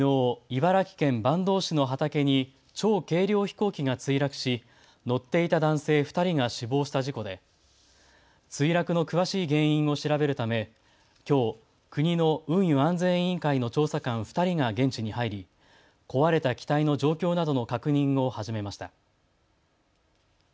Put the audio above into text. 茨城県坂東市の畑に超軽量飛行機が墜落し乗っていた男性２人が死亡した事故で、墜落の詳しい原因を調べるためきょう国の運輸安全委員会の調査官２人が現地に入り壊れた機体の状況などの確認を始めました。